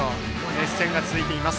熱戦が続いています。